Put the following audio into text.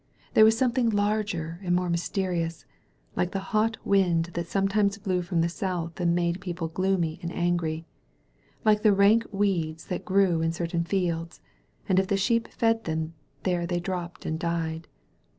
This was something larger and more mysterious — like the hot wind that some* times blew from the south and made people gloomy and angiy — ^like the rank weeds that grew in cer tam fields, and if the sheep fed there they dropped and died.